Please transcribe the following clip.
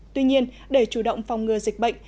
tuy nhiên để chủ động phòng ngừa dịch bệnh